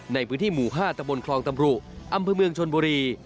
ในพื้นที่หมู่๕ตะบนคลองตำรุอำเภอเมืองชนบุรี